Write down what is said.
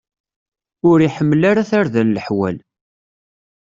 Ur iḥemmel ara tarda n leḥwal.